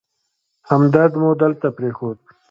همدرد مو دلته پرېښود.